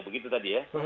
begitu tadi ya